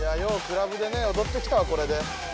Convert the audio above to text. クラブでね踊ってきたわこれで。